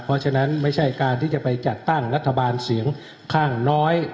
เพราะฉะนั้นไม่ใช่การที่จะไปจัดตั้งรัฐบาลเสียงข้างน้อย